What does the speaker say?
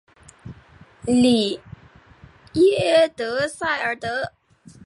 里耶德塞尔特。